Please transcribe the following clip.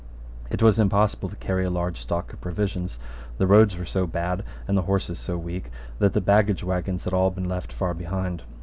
It was impossible to carry a large stock of provisions. The roads were so bad and the horses so weak, that the baggage waggons had all been left far behind.